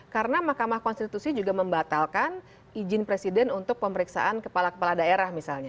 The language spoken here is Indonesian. karena mahkamah konstitusi juga membatalkan izin presiden untuk pemeriksaan kepala kepala daerah misalnya